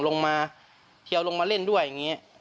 ลงมาเทียวลงมาเล่นด้วยอย่างนี้